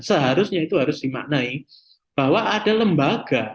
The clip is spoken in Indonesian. seharusnya itu harus dimaknai bahwa ada lembaga